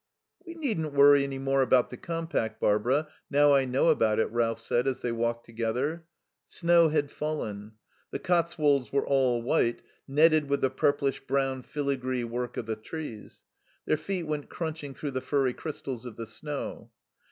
"We needn't worry any more about the compact, Barbara, now I know about it," Ralph said, as they walked together. Snow had fallen. The Cotswolds were all white, netted with the purplish brown filigree work of the trees. Their feet went crunching through the furry crystals of the snow.